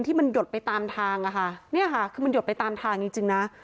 ที่มันหยดไปตามทางอะค่ะเนี่ยค่ะคือมันหยดไปตามทางจริงจริงนะ